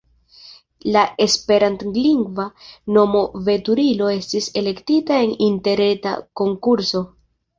La esperantlingva nomo "Veturilo" estis elektita en interreta konkurso.